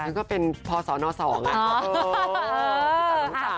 อ่าฉันก็เป็นพอสอนอสองอะ